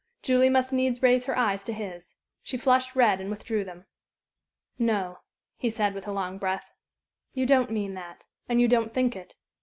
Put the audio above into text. Julie must needs raise her eyes to his. She flushed red and withdrew them. "No," he said, with a long breath, "you don't mean that, and you don't think it.